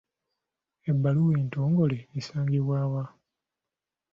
Ebbaluwa entongole esangibwa wa?